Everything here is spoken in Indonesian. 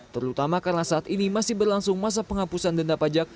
terutama karena saat ini masih berlangsung masa penghapusan denda pajak